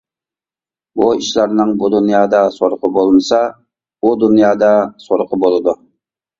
بۇ ئىشلارنىڭ بۇ دۇنيادا سورىقى بولمىسا، ئۇ دۇنيادا سورىقى بولىدۇ.